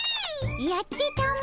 やってたも。